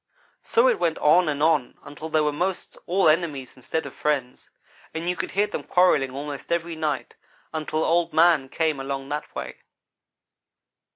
So it went on and on until they were most all enemies instead of friends, and you could hear them quarrelling almost every night, until Old man came along that way.